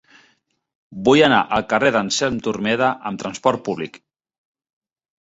Vull anar al carrer d'Anselm Turmeda amb trasport públic.